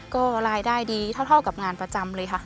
ก็รายได้ดีเท่ากับงานประจำเลยค่ะ